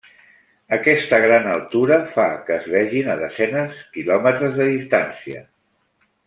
Aquesta gran altura fa que es vegin a desenes quilòmetres de distància.